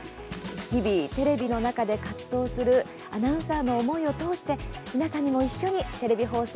日々、テレビの中で葛藤するアナウンサーの思いを通して皆さんにも一緒にテレビ放送